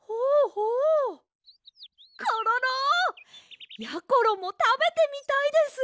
コロロ！やころもたべてみたいです！